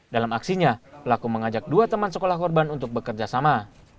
dalam aksinya pelaku mengajak dua teman sekolah korban untuk bekerja sama